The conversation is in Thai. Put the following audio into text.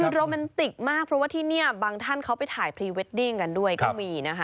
คือโรแมนติกมากเพราะว่าที่นี่บางท่านเขาไปถ่ายพรีเวดดิ้งกันด้วยก็มีนะคะ